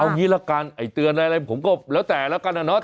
เอางี้ละกันไอ้เตือนอะไรผมก็แล้วแต่แล้วกันนะเนาะ